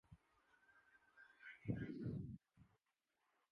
وہ مونک ہے